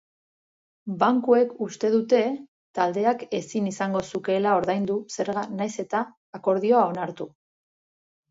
Bankuek uste dute taldeak ezin izango zukeela ordaindu zerga nahiz eta akordioa onartu.